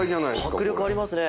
迫力ありますね。